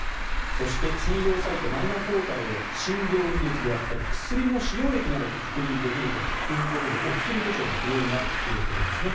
そして、専用サイトマイナポータルで診療履歴であったり薬の使用歴などが確認できるということでお薬手帳も不要になるということですね。